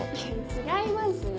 違いますよ。